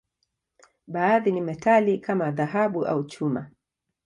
Baadhi ni metali, kama dhahabu au chuma.